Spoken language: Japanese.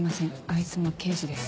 いつも刑事です。